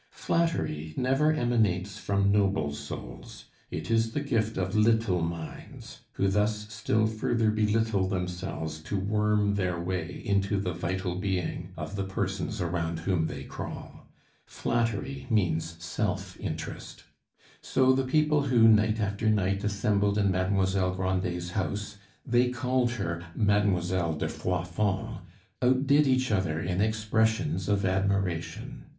Flattery never emanates from noble souls; it is the gift of little minds, who thus still further belittle themselves to worm their way into the vital being of the persons around whom they crawl. Flattery means self interest. So the people who, night after night, assembled in Mademoiselle Grandet's house (they called her Mademoiselle de Froidfond) outdid each other in expressions of admiration.